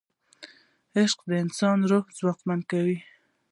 عشق د انسان روح ځواکمنوي.